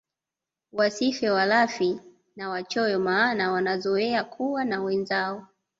Wasiwe walafi na wachoyo maana wanazoea kuwa na wenzao